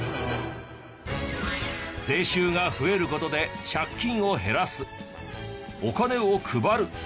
税収が増える事で借金を減らすお金を配る。